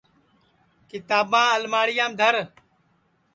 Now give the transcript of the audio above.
کِتاباں الماڑِیام دھر